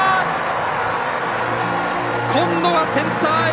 今度はセンターへ！